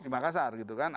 di makassar gitu kan